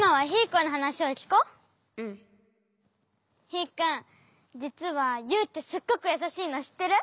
ヒーくんじつはユウってすっごくやさしいのしってる？